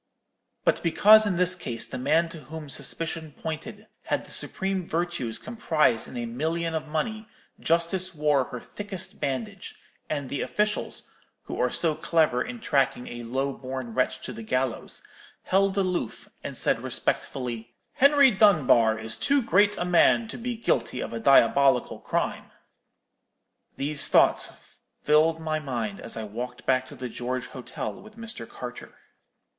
But because in this case the man to whom suspicion pointed had the supreme virtues comprised in a million of money, Justice wore her thickest bandage, and the officials, who are so clever in tracking a low born wretch to the gallows, held aloof, and said respectfully, 'Henry Dunbar is too great a man to be guilty of a diabolical crime.' "These thoughts filled my mind as I walked back to the George Hotel with Mr. Carter.